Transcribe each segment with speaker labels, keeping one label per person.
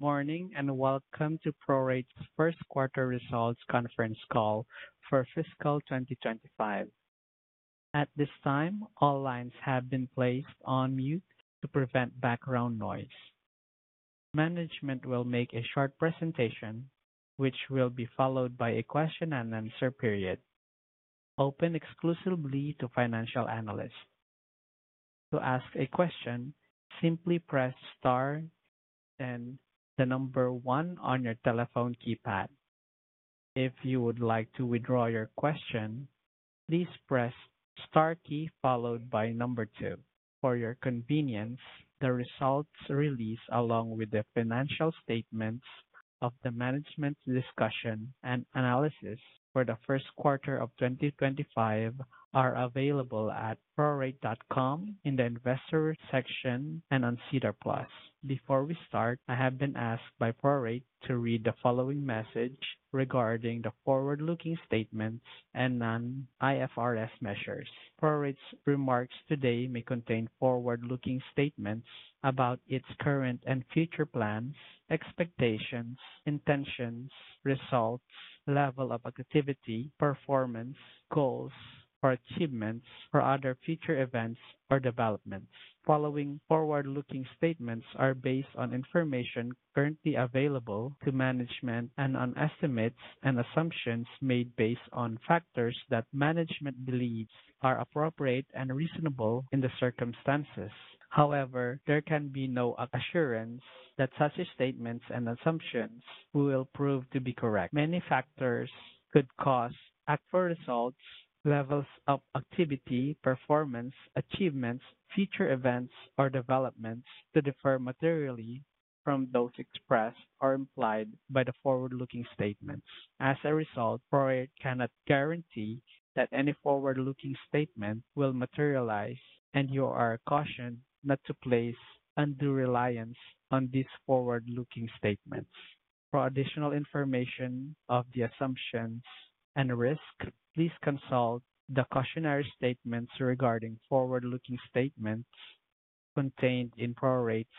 Speaker 1: Morning and welcome to PROREIT's First Quarter Results Conference Call for Fiscal 2025. At this time, all lines have been placed on mute to prevent background noise. Management will make a short presentation, which will be followed by a question and answer period. Open exclusively to financial analysts. To ask a question, simply press star and the number 1 on your telephone keypad. If you would like to withdraw your question, please press star key followed by number 2. For your convenience, the results release along with the financial statements and the management discussion and analysis for the first quarter of 2025 are available at proreit.com in the Investor section and on SEDAR+. Before we start, I have been asked by PROREIT to read the following message regarding the forward-looking statements and non-IFRS measures. PROREIT's remarks today may contain forward-looking statements about its current and future plans, expectations, intentions, results, level of activity, performance, goals, or achievements for other future events or developments. The following forward-looking statements are based on information currently available to management and on estimates and assumptions made based on factors that management believes are appropriate and reasonable in the circumstances. However, there can be no assurance that such statements and assumptions will prove to be correct. Many factors could cause actual results, levels of activity, performance, achievements, future events, or developments to differ materially from those expressed or implied by the forward-looking statements. As a result, PROREIT cannot guarantee that any forward-looking statement will materialize, and you are cautioned not to place undue reliance on these forward-looking statements. For additional information of the assumptions and risk, please consult the cautionary statements regarding forward-looking statements contained in PROREIT's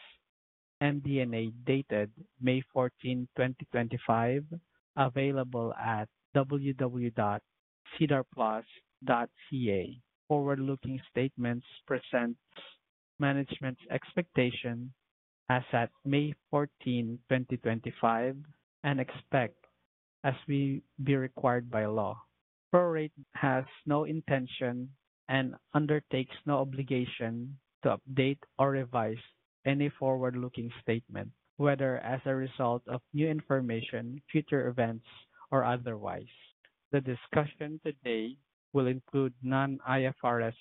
Speaker 1: MD&A dated May 14, 2025, available at www.sedarplus.ca. Forward-looking statements present management's expectation as at May 14, 2025, and expect as will be required by law. PROREIT has no intention and undertakes no obligation to update or revise any forward-looking statement, whether as a result of new information, future events, or otherwise. The discussion today will include non-IFRS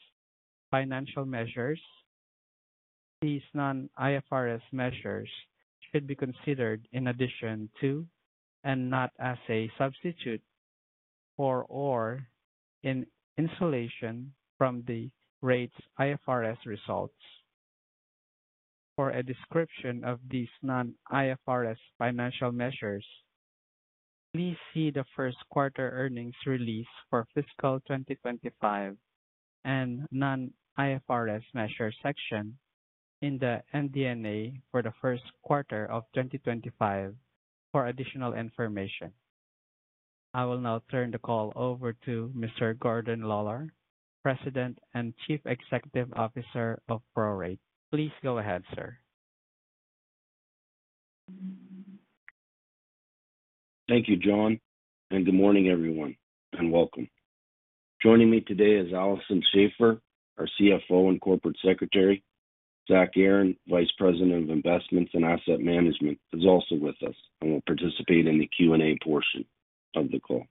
Speaker 1: financial measures. These non-IFRS measures should be considered in addition to and not as a substitute for or in insulation from the REIT's IFRS results. For a description of these non-IFRS financial measures, please see the first quarter earnings release for fiscal 2025 and non-IFRS measure section in the MD&A for the first quarter of 2025 for additional information. I will now turn the call over to Mr. Gordon Lawlor, President and Chief Executive Officer of PROREIT. Please go ahead, sir.
Speaker 2: Thank you, John, and good morning, everyone, and welcome. Joining me today is Alison Schafer, our CFO and Corporate Secretary, Zach Aaron, Vice President of Investments and Asset Management, who is also with us and will participate in the Q&A portion of the call.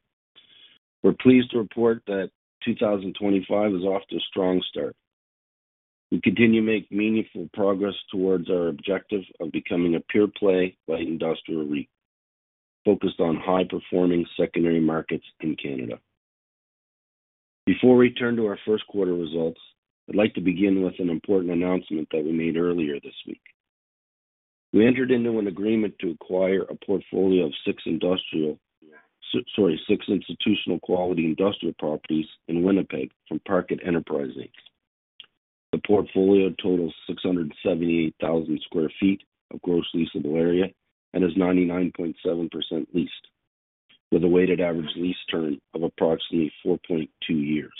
Speaker 2: We're pleased to report that 2025 is off to a strong start. We continue to make meaningful progress towards our objective of becoming a pure-play light industrial REIT, focused on high-performing secondary markets in Canada. Before we turn to our first quarter results, I'd like to begin with an important announcement that we made earlier this week. We entered into an agreement to acquire a portfolio of six institutional quality industrial properties in Winnipeg from Parkett Enterprises. The portfolio totals 678,000 sq ft of gross leasable area and is 99.7% leased, with a weighted average lease term of approximately 4.2 years.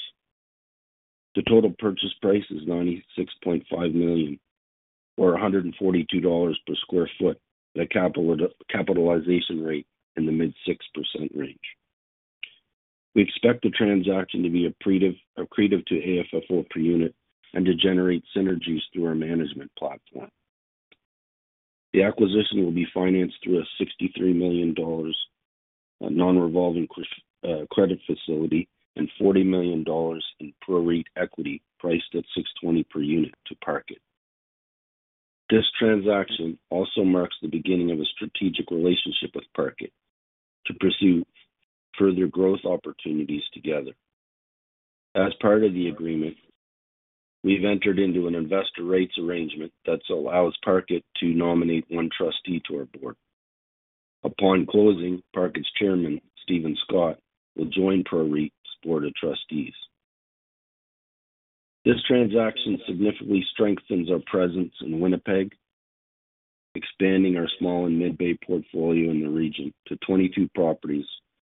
Speaker 2: The total purchase price is 96.5 million, or 142 dollars per sq ft, at a capitalization rate in the mid-6% range. We expect the transaction to be accretive to AFFO per unit and to generate synergies through our management platform. The acquisition will be financed through a 63 million dollars non-revolving credit facility and 40 million dollars in PROREIT equity priced at 6.20 per unit to Parkett. This transaction also marks the beginning of a strategic relationship with Parkett to pursue further growth opportunities together. As part of the agreement, we've entered into an investor rights arrangement that allows Parkett to nominate one trustee to our board. Upon closing, Parkett's Chairman, Stephen Scott, will join PROREIT's board of Trustees. This transaction significantly strengthens our presence in Winnipeg, expanding our small and mid-bay portfolio in the region to 22 properties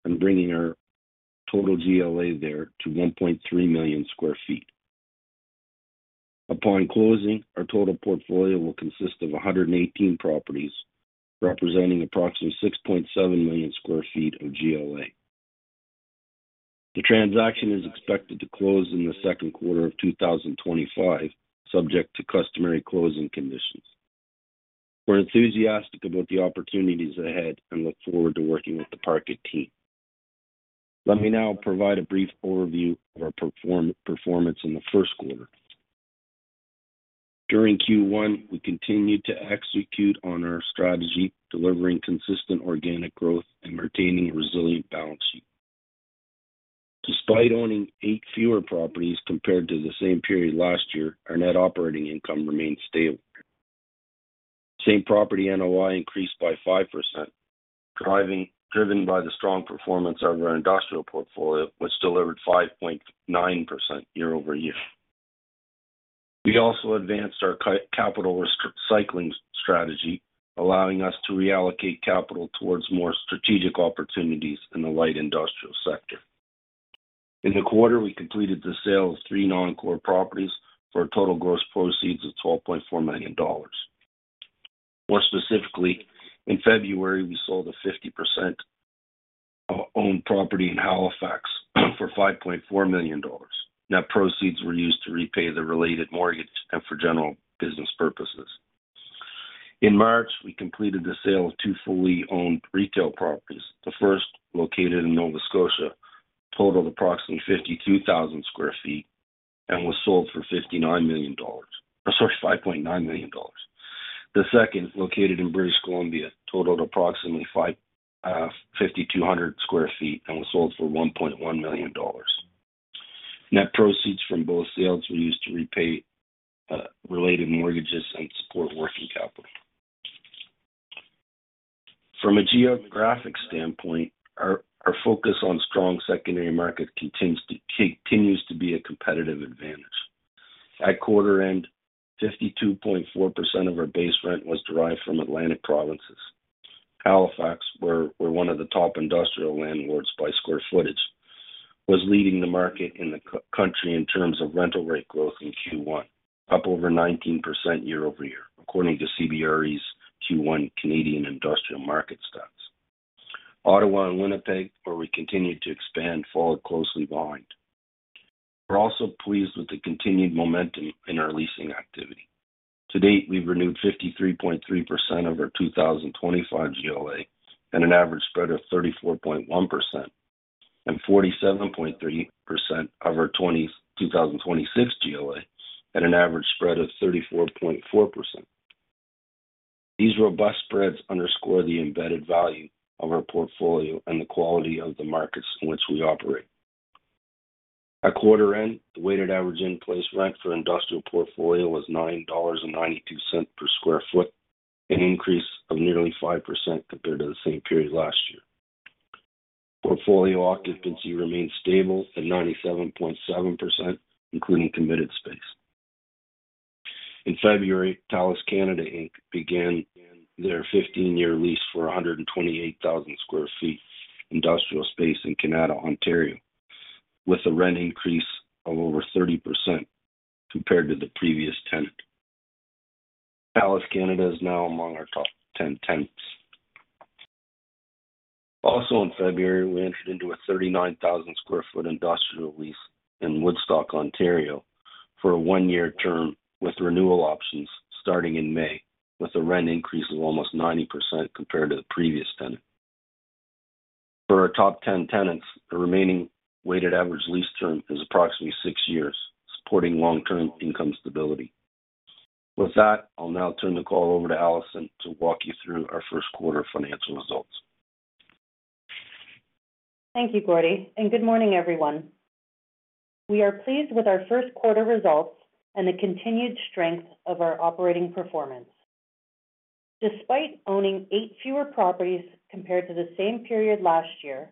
Speaker 2: and bringing our total GLA there to 1.3 million sq ft. Upon closing, our total portfolio will consist of 118 properties, representing approximately 6.7 million sq ft of GLA. The transaction is expected to close in the second quarter of 2025, subject to customary closing conditions. We're enthusiastic about the opportunities ahead and look forward to working with the Parkett team. Let me now provide a brief overview of our performance in the first quarter. During Q1, we continued to execute on our strategy, delivering consistent organic growth and maintaining a resilient balance sheet. Despite owning eight fewer properties compared to the same period last year, our net operating income remained stable. Same property NOI increased by 5%, driven by the strong performance of our industrial portfolio, which delivered 5.9% year-over-year. We also advanced our capital recycling strategy, allowing us to reallocate capital towards more strategic opportunities in the light industrial sector. In the quarter, we completed the sale of three non-core properties for a total gross proceeds of 12.4 million dollars. More specifically, in February, we sold a 50% owned property in Halifax for 5.4 million dollars. That proceeds were used to repay the related mortgage and for general business purposes. In March, we completed the sale of two fully owned retail properties. The first, located in Nova Scotia, totaled approximately 52,000 sq ft and was sold for 5.9 million dollars. The second, located in British Columbia, totaled approximately 5,200 sq ft and was sold for 1.1 million dollars. Net proceeds from both sales were used to repay related mortgages and support working capital. From a geographic standpoint, our focus on strong secondary market continues to be a competitive advantage. At quarter end, 52.4% of our base rent was derived from Atlantic provinces. Halifax, where one of the top industrial landlords by square footage, was leading the market in the country in terms of rental rate growth in Q1, up over 19% year-over-year, according to CBRE's Q1 Canadian industrial market stats. Ottawa and Winnipeg, where we continued to expand, followed closely behind. We're also pleased with the continued momentum in our leasing activity. To date, we've renewed 53.3% of our 2025 GLA at an average spread of 34.1%, and 47.3% of our 2026 GLA at an average spread of 34.4%. These robust spreads underscore the embedded value of our portfolio and the quality of the markets in which we operate. At quarter end, the weighted average in place rent for industrial portfolio was 9.92 dollars per sq ft, an increase of nearly 5% compared to the same period last year. Portfolio occupancy remained stable at 97.7%, including committed space. In February, Talis Canada Inc. began their 15-year lease for 128,000 sq ft industrial space in Kanata, Ontario, with a rent increase of over 30% compared to the previous tenant. Talis Canada is now among our top ten tenants. Also, in February, we entered into a 39,000 sq ft industrial lease in Woodstock, Ontario, for a one-year term with renewal options starting in May, with a rent increase of almost 90% compared to the previous tenant. For our top ten tenants, the remaining weighted average lease term is approximately six years, supporting long-term income stability. With that, I'll now turn the call over to Alison to walk you through our first quarter financial results.
Speaker 3: Thank you, Gordon, and good morning, everyone. We are pleased with our first quarter results and the continued strength of our operating performance. Despite owning eight fewer properties compared to the same period last year,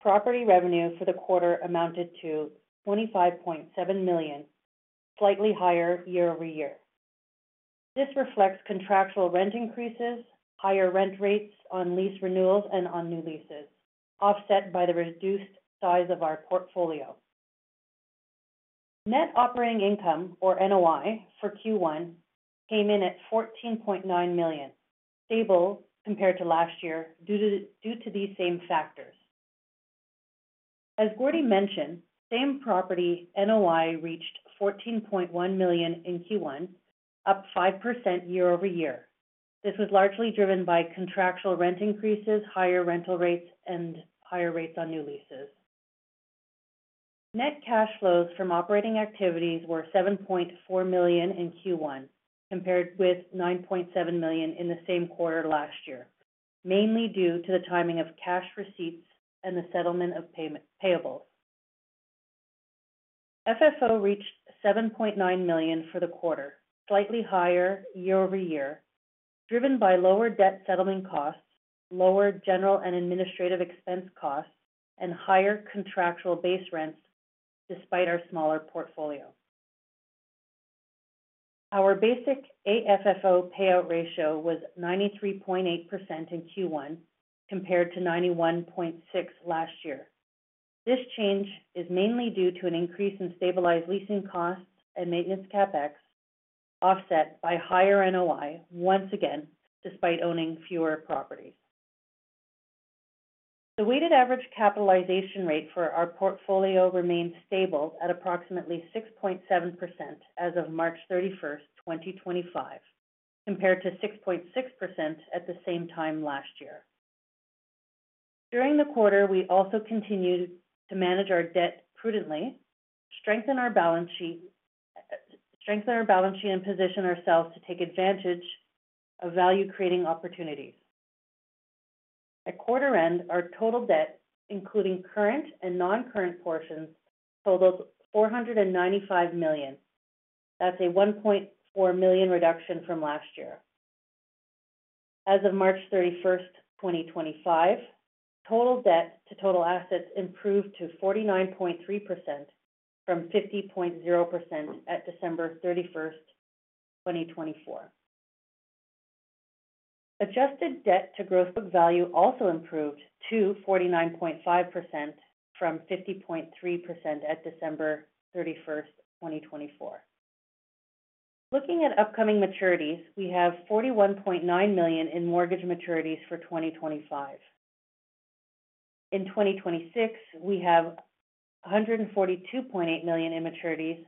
Speaker 3: property revenue for the quarter amounted to 25.7 million, slightly higher year over year. This reflects contractual rent increases, higher rent rates on lease renewals and on new leases, offset by the reduced size of our portfolio. Net operating income, or NOI, for Q1 came in at 14.9 million, stable compared to last year due to these same factors. As Gordon mentioned, same property NOI reached 14.1 million in Q1, up 5% year over year. This was largely driven by contractual rent increases, higher rental rates, and higher rates on new leases. Net cash flows from operating activities were 7.4 million in Q1, compared with 9.7 million in the same quarter last year, mainly due to the timing of cash receipts and the settlement of payables. FFO reached 7.9 million for the quarter, slightly higher year over year, driven by lower debt settlement costs, lower general and administrative expense costs, and higher contractual base rents despite our smaller portfolio. Our basic AFFO payout ratio was 93.8% in Q1, compared to 91.6% last year. This change is mainly due to an increase in stabilized leasing costs and maintenance CapEx, offset by higher NOI once again, despite owning fewer properties. The weighted average capitalization rate for our portfolio remained stable at approximately 6.7% as of March 31, 2025, compared to 6.6% at the same time last year. During the quarter, we also continued to manage our debt prudently, strengthen our balance sheet, and position ourselves to take advantage of value-creating opportunities. At quarter end, our total debt, including current and non-current portions, totaled 495 million. That's a 1.4 million reduction from last year. As of March 31, 2025, total debt to total assets improved to 49.3% from 50.0% at December 31, 2024. Adjusted debt to gross book value also improved to 49.5% from 50.3% at December 31, 2024. Looking at upcoming maturities, we have 41.9 million in mortgage maturities for 2025. In 2026, we have 142.8 million in maturities,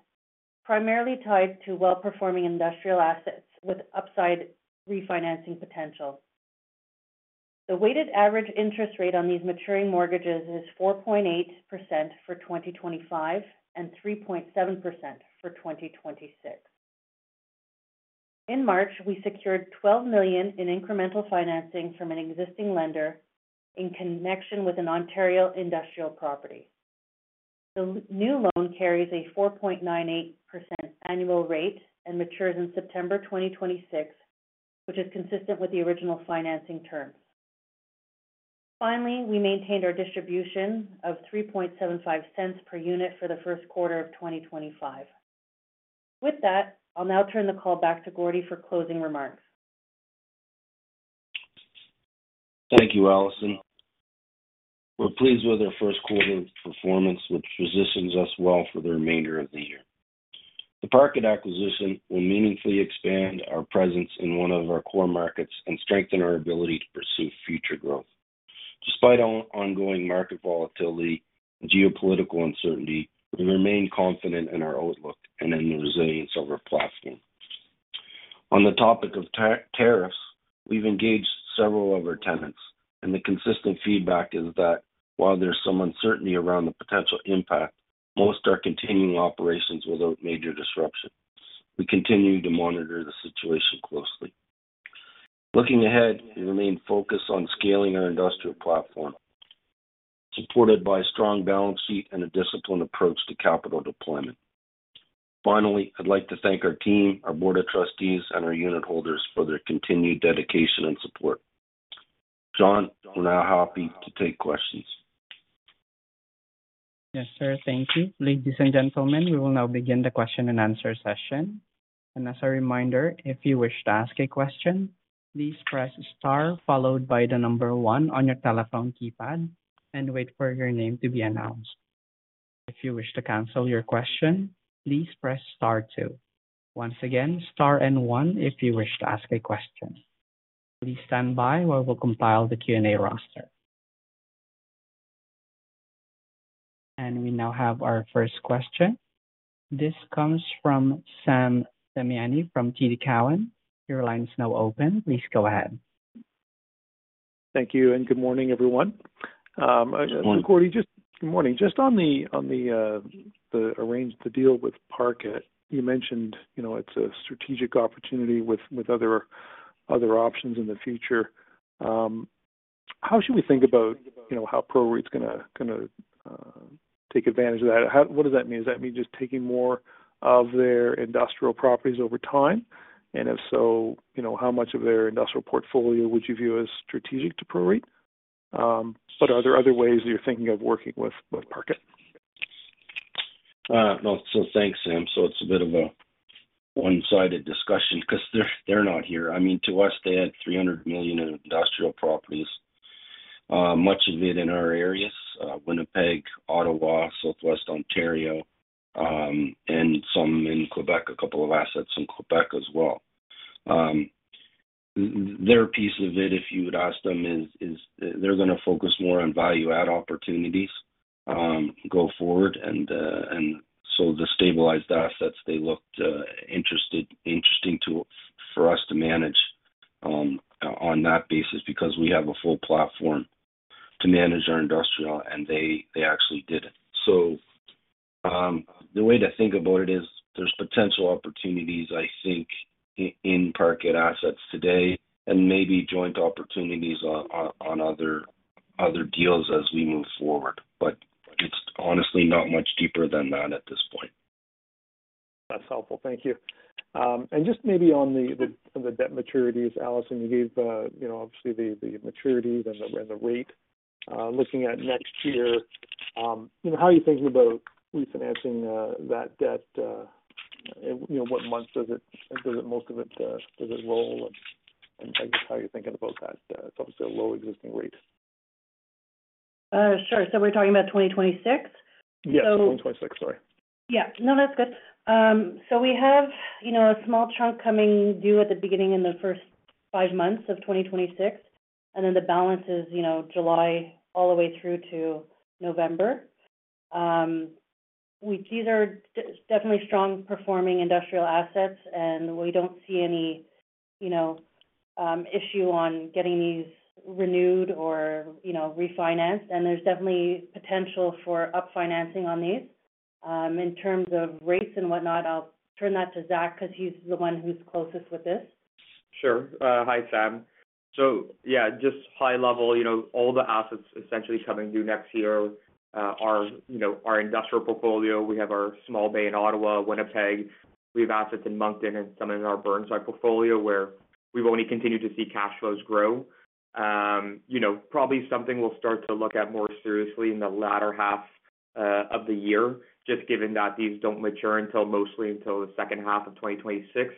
Speaker 3: primarily tied to well-performing industrial assets with upside refinancing potential. The weighted average interest rate on these maturing mortgages is 4.8% for 2025 and 3.7% for 2026. In March, we secured 12 million in incremental financing from an existing lender in connection with an Ontario industrial property. The new loan carries a 4.98% annual rate and matures in September 2026, which is consistent with the original financing terms. Finally, we maintained our distribution of 0.0375 per unit for the first quarter of 2025. With that, I'll now turn the call back to Gordy for closing remarks.
Speaker 2: Thank you, Alisy. We're pleased with our first quarter performance, which positions us well for the remainder of the year. The Parkett acquisition will meaningfully expand our presence in one of our core markets and strengthen our ability to pursue future growth. Despite ongoing market volatility and geopolitical uncertainty, we remain confident in our outlook and in the resilience of our platform. On the topic of tariffs, we've engaged several of our tenants, and the consistent feedback is that while there's some uncertainty around the potential impact, most are continuing operations without major disruption. We continue to monitor the situation closely. Looking ahead, we remain focused on scaling our industrial platform, supported by a strong balance sheet and a disciplined approach to capital deployment. Finally, I'd like to thank our team, our board of trustees, and our unit holders for their continued dedication and support. John, we're now happy to take questions.
Speaker 1: Yes, sir. Thank you. Ladies and gentlemen, we will now begin the question and answer session. As a reminder, if you wish to ask a question, please press star followed by the number 1 on your telephone keypad and wait for your name to be announced. If you wish to cancel your question, please press star 2. Once again, star and 1 if you wish to ask a question. Please stand by while we compile the Q&A roster. We now have our first question. This comes from Sam Damiani from TD Cowen. Your line is now open. Please go ahead.
Speaker 4: Thank you. Good morning, everyone.
Speaker 2: Good morning.
Speaker 4: Gordon, just good morning. Just on the arranged deal with Parkett, you mentioned it's a strategic opportunity with other options in the future. How should we think about how PROREIT's going to take advantage of that? What does that mean? Does that mean just taking more of their industrial properties over time? If so, how much of their industrial portfolio would you view as strategic to PROREIT? Are there other ways that you're thinking of working with Parkett?
Speaker 2: Thanks, Sam. It is a bit of a one-sided discussion because they are not here. I mean, to us, they had 300 million in industrial properties, much of it in our areas: Winnipeg, Ottawa, Southwest Ontario, and some in Quebec, a couple of assets in Quebec as well. Their piece of it, if you would ask them, is they are going to focus more on value-add opportunities going forward. The stabilized assets looked interesting to us to manage on that basis because we have a full platform to manage our industrial, and they actually did it. The way to think about it is there are potential opportunities, I think, in Parkett assets today and maybe joint opportunities on other deals as we move forward. It is honestly not much deeper than that at this point.
Speaker 4: That's helpful. Thank you. Just maybe on the debt maturities, Alison, you gave obviously the maturity and the rate. Looking at next year, how are you thinking about refinancing that debt? What month does most of it roll? I guess how are you thinking about that, obviously a low existing rate?
Speaker 3: Sure. So we're talking about 2026?
Speaker 4: Yes. 2026, sorry.
Speaker 3: Yeah. No, that's good. We have a small chunk coming due at the beginning in the first five months of 2026, and then the balance is July all the way through to November. These are definitely strong-performing industrial assets, and we do not see any issue on getting these renewed or refinanced. There is definitely potential for upfinancing on these. In terms of rates and whatnot, I will turn that to Zach because he is the one who is closest with this.
Speaker 5: Sure. Hi, Sam. So yeah, just high level, all the assets essentially coming due next year are our industrial portfolio. We have our small bay in Ottawa, Winnipeg. We have assets in Moncton and some in our Burnside portfolio where we've only continued to see cash flows grow. Probably something we'll start to look at more seriously in the latter half of the year, just given that these do not mature mostly until the second half of 2026.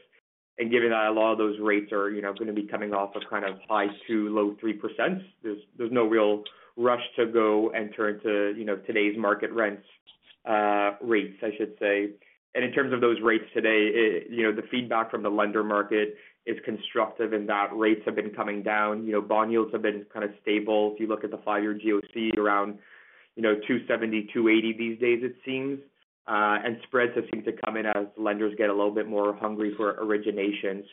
Speaker 5: Given that a lot of those rates are going to be coming off of kind of high 2%, low 3%, there is no real rush to go and turn to today's market rent rates, I should say. In terms of those rates today, the feedback from the lender market is constructive in that rates have been coming down. Bond yields have been kind of stable. If you look at the five-year GOC, around 270-280 these days, it seems. Spreads have seemed to come in as lenders get a little bit more hungry for origination.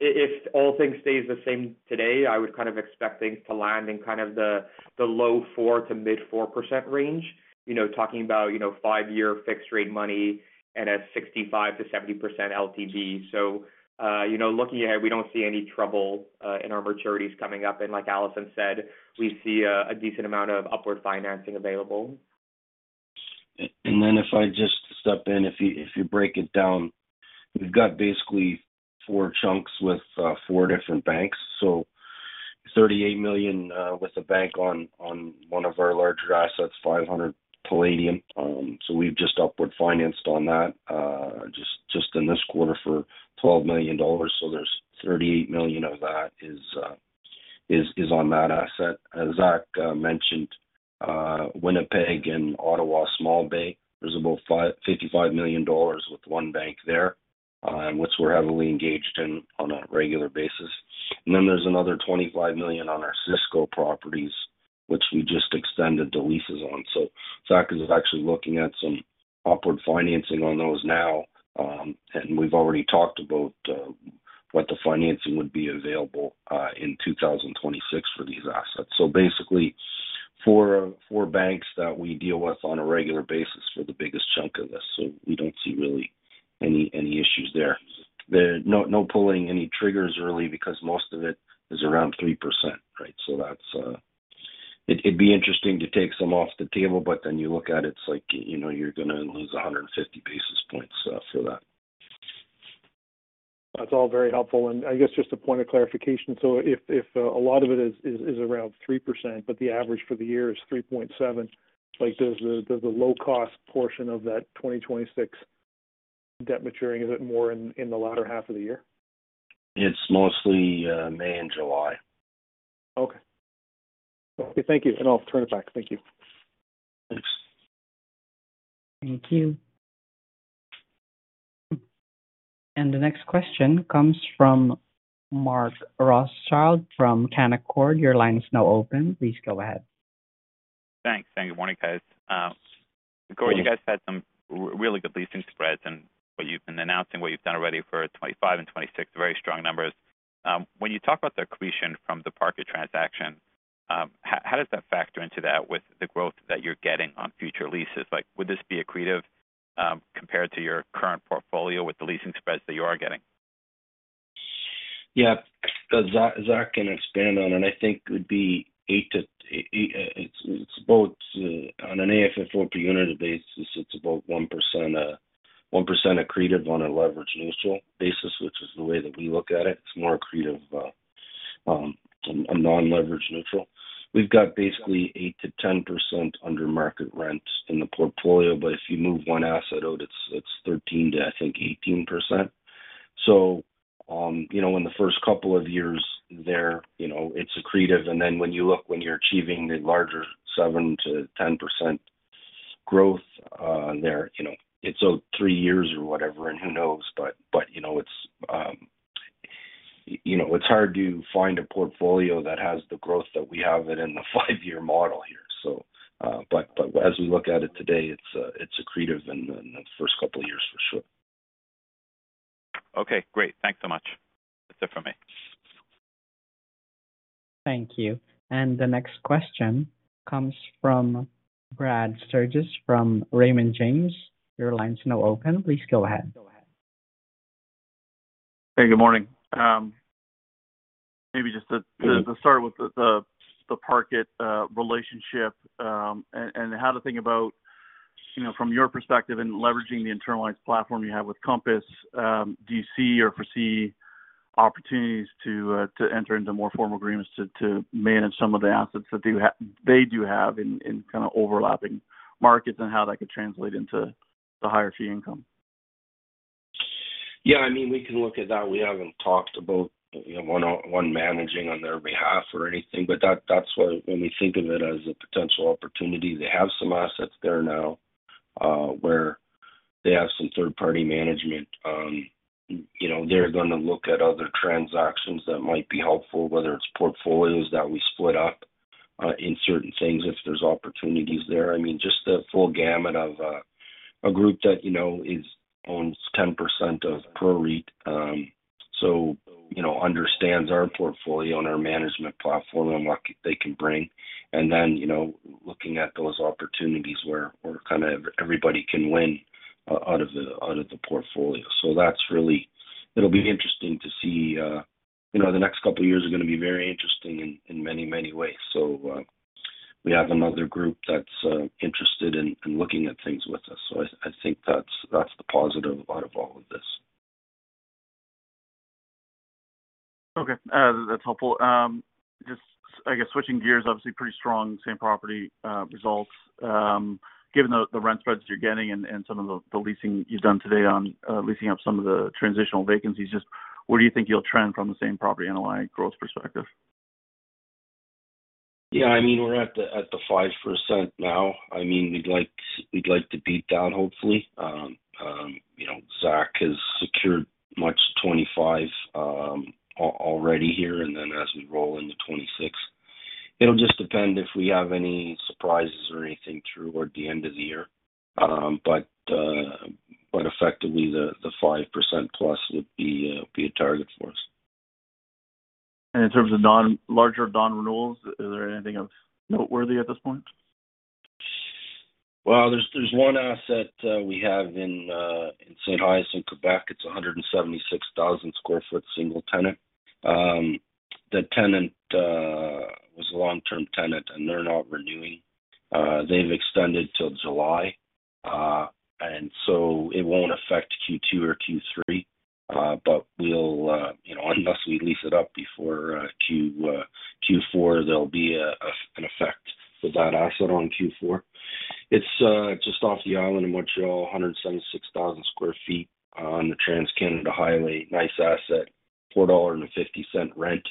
Speaker 5: If all things stay the same today, I would kind of expect things to land in the low 4%-mid 4% range, talking about five-year fixed-rate money and a 65%-70% LTV. Looking ahead, we do not see any trouble in our maturities coming up. Like Alison said, we see a decent amount of upward financing available.
Speaker 2: If I just step in, if you break it down, we have basically four chunks with four different banks. 38 million with a bank on one of our larger assets, 500 Palladium. We just upward financed on that just in this quarter for 12 million dollars. 38 million of that is on that asset. As Zach mentioned, Winnipeg and Ottawa small bay, there is about 55 million dollars with one bank there, which we are heavily engaged in on a regular basis. There is another 25 million on our Cisco properties, which we just extended the leases on. Zach is actually looking at some upward financing on those now. We have already talked about what the financing would be available in 2026 for these assets. Basically, four banks that we deal with on a regular basis for the biggest chunk of this. We do not see really any issues there. No pulling any triggers early because most of it is around 3%, right? It would be interesting to take some off the table, but then you look at it, it is like you are going to lose 150 basis points for that.
Speaker 4: That's all very helpful. I guess just a point of clarification. If a lot of it is around 3%, but the average for the year is 3.7%, does the low-cost portion of that 2026 debt maturing, is it more in the latter half of the year?
Speaker 2: It's mostly May and July.
Speaker 4: Okay. Thank you. I'll turn it back. Thank you.
Speaker 2: Thanks.
Speaker 1: Thank you. The next question comes from Mark Rothschild from Canaccord. Your line is now open. Please go ahead.
Speaker 6: Thanks. Good morning, guys. Gordon, you guys had some really good leasing spreads and what you've been announcing, what you've done already for 2025 and 2026, very strong numbers. When you talk about the accretion from the Parkett transaction, how does that factor into that with the growth that you're getting on future leases? Would this be accretive compared to your current portfolio with the leasing spreads that you are getting?
Speaker 2: Yeah. As Zach can expand on, and I think it would be eight to, it's both on an AFFO per unit basis, it's about 1% accretive on a leveraged neutral basis, which is the way that we look at it. It's more accretive on a non-leveraged neutral. We've got basically 8%-10% under market rent in the portfolio, but if you move one asset out, it's 13%-18%. In the first couple of years there, it's accretive. When you look, when you're achieving the larger 7%-10% growth, it's out three years or whatever, and who knows? It's hard to find a portfolio that has the growth that we have in the five-year model here. As we look at it today, it's accretive in the first couple of years for sure.
Speaker 6: Okay. Great. Thanks so much. That's it for me.
Speaker 1: Thank you. The next question comes from Brad Sturges from Raymond James. Your line is now open. Please go ahead.
Speaker 7: Hey, good morning. Maybe just to start with the Parkett relationship and how to think about from your perspective and leveraging the internalized platform you have with Compass, do you see or foresee opportunities to enter into more formal agreements to manage some of the assets that they do have in kind of overlapping markets and how that could translate into the higher fee income?
Speaker 2: Yeah. I mean, we can look at that. We have not talked about one managing on their behalf or anything, but that is why when we think of it as a potential opportunity, they have some assets there now where they have some third-party management. They are going to look at other transactions that might be helpful, whether it is portfolios that we split up in certain things if there are opportunities there. I mean, just the full gamut of a group that owns 10% of PROREIT, so understands our portfolio and our management platform and what they can bring. Then looking at those opportunities where kind of everybody can win out of the portfolio. That is really it. It will be interesting to see. The next couple of years are going to be very interesting in many, many ways. We have another group that is interested in looking at things with us. I think that's the positive out of all of this.
Speaker 7: Okay. That's helpful. Just, I guess, switching gears, obviously pretty strong same property results. Given the rent spreads you're getting and some of the leasing you've done today on leasing up some of the transitional vacancies, just where do you think you'll trend from the same property NOI growth perspective?
Speaker 2: Yeah. I mean, we're at the 5% now. I mean, we'd like to beat that hopefully. Zach has secured much of 2025 already here, and then as we roll into 2026. It will just depend if we have any surprises or anything true toward the end of the year. Effectively, the 5% plus would be a target for us.
Speaker 7: In terms of larger non-renewals, is there anything noteworthy at this point?
Speaker 2: There is one asset we have in St. Hyacinthe, Quebec. It is 176,000 sq ft single tenant. The tenant was a long-term tenant, and they are not renewing. They have extended till July. It will not affect Q2 or Q3, but unless we lease it up before Q4, there will be an effect with that asset on Q4. It is just off the island in Montreal, 176,000 sq ft on the Trans-Canada Highway, nice asset, 4.50 dollar rent.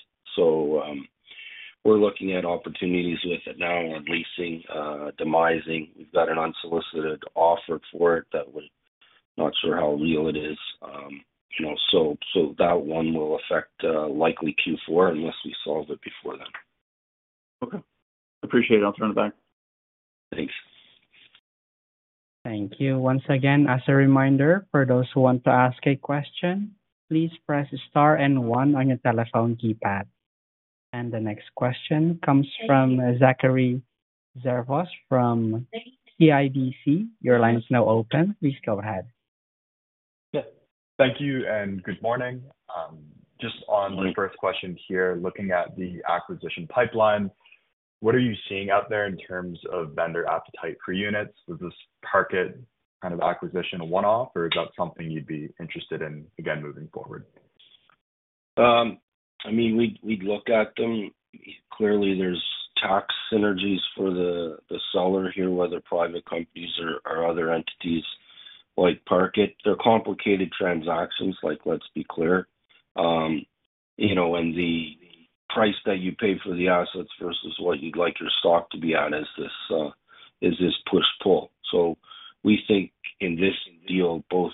Speaker 2: We are looking at opportunities with it now on leasing, demising. We have got an unsolicited offer for it that we are not sure how real it is. That one will affect likely Q4 unless we solve it before then.
Speaker 7: Okay. Appreciate it. I'll turn it back.
Speaker 2: Thanks.
Speaker 1: Thank you. Once again, as a reminder, for those who want to ask a question, please press star and 1 on your telephone keypad. The next question comes from Zachary Zervos from CIBC. Your line is now open. Please go ahead.
Speaker 8: Yeah. Thank you and good morning. Just on my first question here, looking at the acquisition pipeline, what are you seeing out there in terms of vendor appetite for units? Is this Parkett kind of acquisition a one-off, or is that something you'd be interested in again moving forward?
Speaker 2: I mean, we'd look at them. Clearly, there's tax synergies for the seller here, whether private companies or other entities like Parkett. They're complicated transactions, let's be clear. The price that you pay for the assets versus what you'd like your stock to be on is this push-pull. We think in this deal, both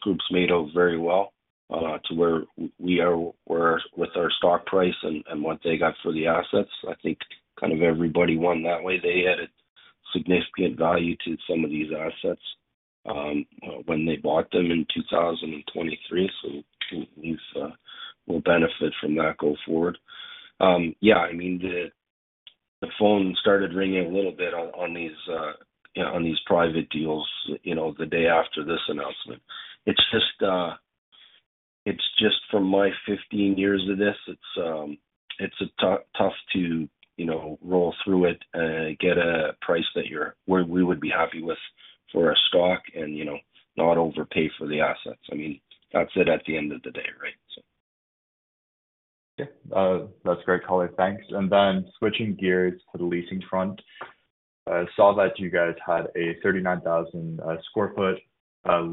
Speaker 2: groups made out very well to where we are with our stock price and what they got for the assets. I think kind of everybody won that way. They added significant value to some of these assets when they bought them in 2023. We'll benefit from that go forward. Yeah. I mean, the phone started ringing a little bit on these private deals the day after this announcement. It's just from my 15 years of this, it's tough to roll through it and get a price that we would be happy with for a stock and not overpay for the assets. I mean, that's it at the end of the day, right?
Speaker 8: Okay. That's great, color. Thanks. Switching gears to the leasing front, I saw that you guys had a 39,000 sq ft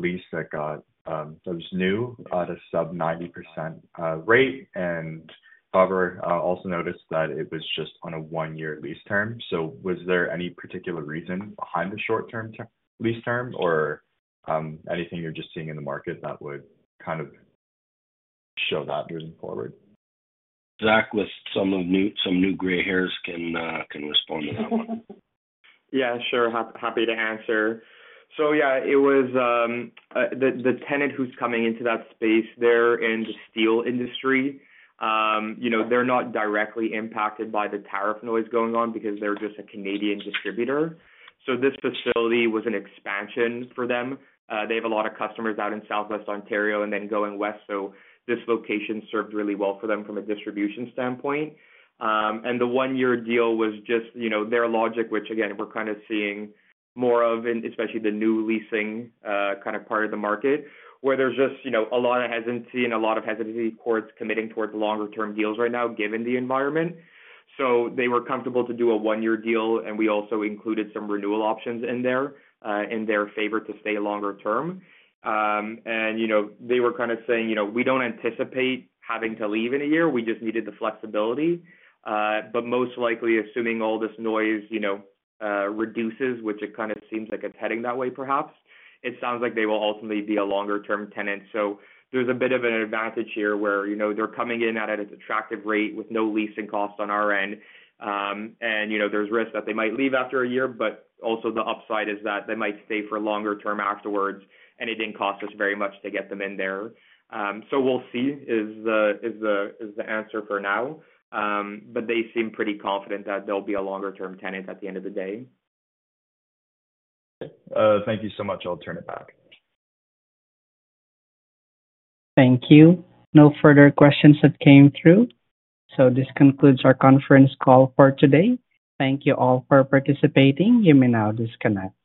Speaker 8: lease that was new at a sub-90% rate. I also noticed that it was just on a one-year lease term. Was there any particular reason behind the short-term lease term or anything you're just seeing in the market that would kind of show that moving forward?
Speaker 2: Zach with some new gray hairs can respond to that one.
Speaker 5: Yeah. Sure. Happy to answer. Yeah, it was the tenant who's coming into that space there in the steel industry. They're not directly impacted by the tariff noise going on because they're just a Canadian distributor. This facility was an expansion for them. They have a lot of customers out in Southwest Ontario and then going west. This location served really well for them from a distribution standpoint. The one-year deal was just their logic, which, again, we're kind of seeing more of, especially the new leasing kind of part of the market, where there's just a lot of hesitancy and a lot of hesitancy towards committing towards longer-term deals right now given the environment. They were comfortable to do a one-year deal, and we also included some renewal options in there in their favor to stay longer term. They were kind of saying, "We don't anticipate having to leave in a year. We just needed the flexibility." Most likely, assuming all this noise reduces, which it kind of seems like it's heading that way perhaps, it sounds like they will ultimately be a longer-term tenant. There is a bit of an advantage here where they're coming in at an attractive rate with no leasing cost on our end. There is risk that they might leave after a year, but also the upside is that they might stay for longer term afterwards, and it did not cost us very much to get them in there. We will see is the answer for now. They seem pretty confident that they'll be a longer-term tenant at the end of the day.
Speaker 8: Okay. Thank you so much. I'll turn it back.
Speaker 1: Thank you. No further questions that came through. This concludes our conference call for today. Thank you all for participating. You may now disconnect.